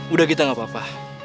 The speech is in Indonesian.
udah kita gak apa apa